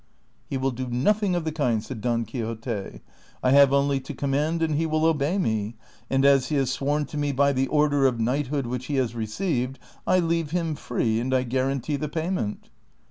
" He will do nothing of the kind," said Don Quixote ;" I have only to command, and he will obey me ; and as he has sworn to me by the order of knighthood which he has received, I leave him free, and I guarantee the payment.'"